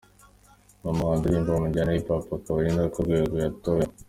Ni umuhanzi uririmba mu njyana ya Hip Hop akaba ari narwo rwego yatowemo.